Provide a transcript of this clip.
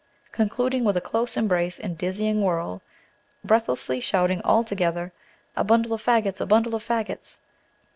concluding with a close embrace in a dizzying whirl, breathlessly shouting all together, "A bundle of fagots! A bundle of fagots!"